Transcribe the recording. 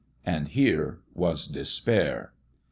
And here was despair.